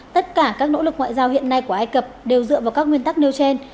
tất cả các nỗ lực ngoại giao hiện nay của ai cập đều dựa vào các nguyên tắc nêu trên